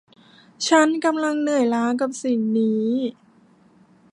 ฉันกำลังเหนื่อยล้ากับสิ่งนี้